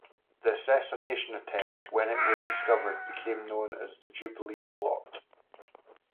This assassination attempt, when it was discovered, became known as the Jubilee Plot.